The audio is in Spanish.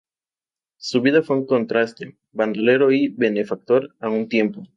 Su vida fue un contraste, bandolero y benefactor a un tiempo.